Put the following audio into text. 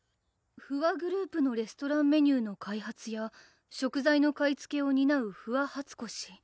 「芙羽グループのレストランメニューの開発や食材の買いつけをになう芙羽はつこ氏」